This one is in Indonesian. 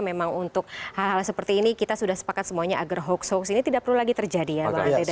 memang untuk hal hal seperti ini kita sudah sepakat semuanya agar hoax hoax ini tidak perlu lagi terjadi ya bang andre